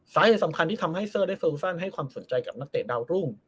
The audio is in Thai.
สาเหตุสำคัญที่ทำให้เซอร์และเฟอร์ซันให้ความสนใจกับนักเตะดาวรุ่ง